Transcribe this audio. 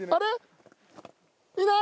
いない？